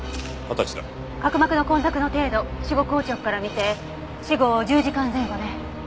角膜の混濁の程度死後硬直から見て死後１０時間前後ね。